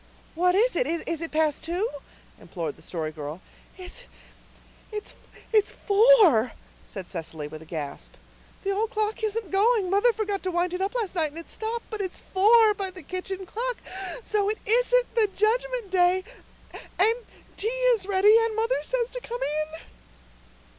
"What is it? Is it past two?" implored the Story Girl. "It's it's four," said Cecily with a gasp. "The old clock isn't going. Mother forgot to wind it up last night and it stopped. But it's four by the kitchen clock so it isn't the Judgment Day and tea is ready and mother says to come in."